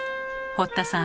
堀田さん